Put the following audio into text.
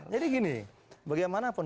jadi gini bagaimanapun